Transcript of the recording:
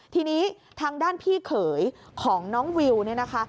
ทีนี้ทางด้านพี่เขยของน้องวิวเนี่ยนะคะ